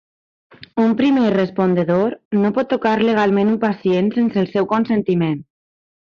Un primer respondedor no pot tocar legalment un pacient sense el seu consentiment.